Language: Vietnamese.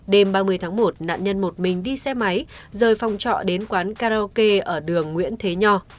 đêm ba mươi tháng một nạn nhân một mình đi xe máy rời phòng trọ đến quán karaoke ở đường nguyễn thế nho